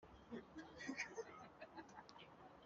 ubwo nakora iki ngo nzayibone?